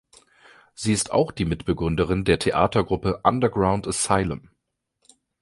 Sie ist auch die Mitgründerin der Theatergruppe Underground Asylum.